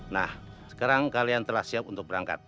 nah sekarang kalian telah siap untuk berangkat